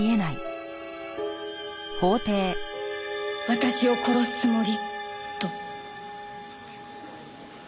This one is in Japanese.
私を殺すつもり！？と。